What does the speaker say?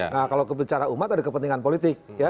nah kalau bicara umat ada kepentingan politik